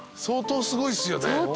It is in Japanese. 相当すごいっすよね。